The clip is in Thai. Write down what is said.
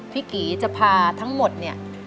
กีจะพาทั้งหมดเนี่ย